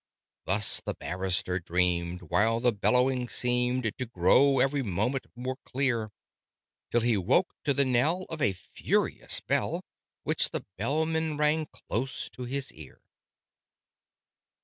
Thus the Barrister dreamed, while the bellowing seemed To grow every moment more clear: Till he woke to the knell of a furious bell, Which the Bellman rang close at his ear.